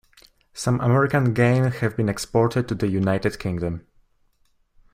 Some American Game have been exported to the United Kingdom.